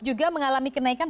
juga mengalami kenaikan